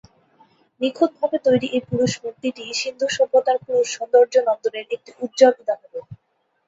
নিখুঁতভাবে তৈরি এ পুরুষ-মূর্তিটিই সিন্ধু-সভ্যতার পুরুষ-সৌন্দর্যনন্দনের একটি উজ্জ্বল উদাহরণ।